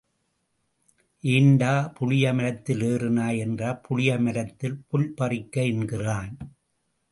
ஏண்டா புளிய மரத்தில் ஏறினாய் என்றால் புளிய மரத்தில் புல் பறிக்க என்கிறான்.